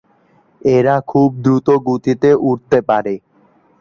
এরা খুব দ্রুত গতিতে উড়তে পারে।